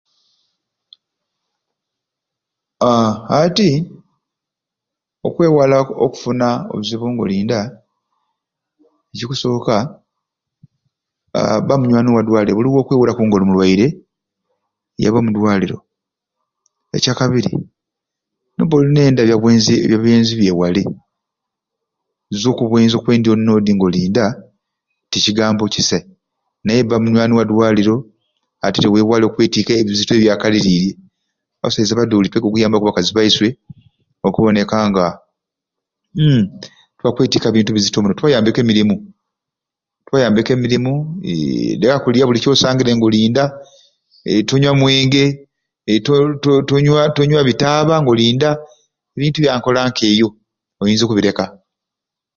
Haaa ati okwewala okufuna obuzibu nga oli nda ekikusooka haa bba munywani wa dwaliro nga buli lw'okwewuraku nga oli mulwaire noyaba omudwaliro ekyakabiri noba nenda ebya ebya bwenzi byewale zwa okubwenzi okwendya oni noddi nga oli nda tikigambo kisai naye bba munywani wa dwaliro ate te wewala okwetiika ebizito ebyakalilirye abasaiza abaduuli twege okuyamba abakazzi beyisye tubayambeku emirumu okuboneka nga uhhm tibakwetika bizito muno tubayambeku emirumu lema kulya buli kyosangire nga oli nda lema kunywa mwenge to to tonywa bitaaba nga oli nda ebintu ebyankola nka eyo oyinza okubireka